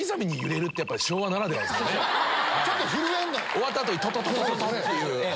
終わった後にトトトっていう。